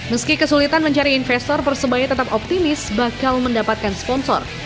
meski kesulitan mencari investor persebaya tetap optimis bakal mendapatkan sponsor